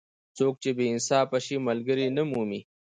څوک چې بې انصافه شي؛ ملګری نه مومي.